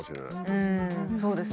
うんそうですね。